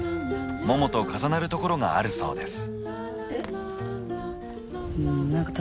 ももと重なるところがあるそうです。